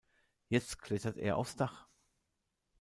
Jetzt klettert er aufs Dach.